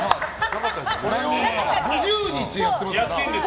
５０日やってますから。